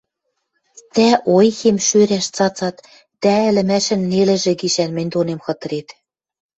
Тӓ ойхем шӧрӓш цацат, тӓ ӹлӹмӓшӹн нелӹжӹ гишӓн мӹнь донем хытырет...